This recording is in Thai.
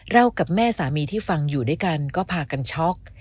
กับแม่สามีที่ฟังอยู่ด้วยกันก็พากันช็อก